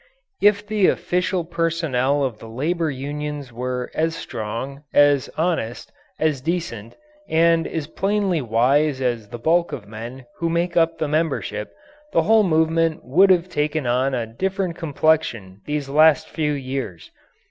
If the official personnel of the labour unions were as strong, as honest, as decent, and as plainly wise as the bulk of the men who make up the membership, the whole movement would have taken on a different complexion these last few years.